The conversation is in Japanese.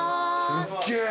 すっげえ。